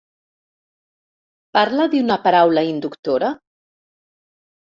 Parla d'una paraula inductora?